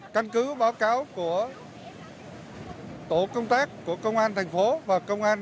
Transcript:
căn cứ báo cáo của tổ công tác của công an thành phố và công an